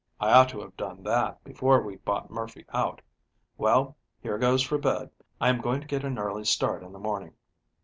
I ought to have done that before we bought Murphy out. Well, here goes for bed. I am going to get an early start in the morning."